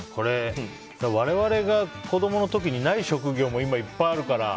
我々が子供の時にない職業も今、いっぱいあるから。